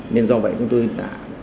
nên do vậy chúng tôi đã